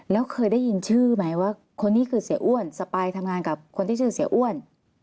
แล้วเคยได้ยินชื่อไหมว่าคนนี้คือเสียอ้วนสปายทำงานกับคนที่ชื่อเสียอ้วน